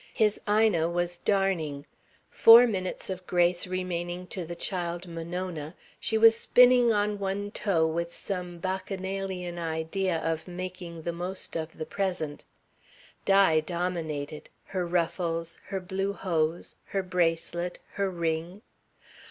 His Ina was darning. Four minutes of grace remaining to the child Monona, she was spinning on one toe with some Bacchanalian idea of making the most of the present. Di dominated, her ruffles, her blue hose, her bracelet, her ring.